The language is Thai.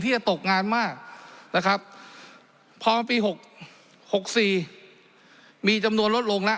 ที่จะตกงานมากนะครับพอปีหกหกสี่มีจำนวนลดลงละ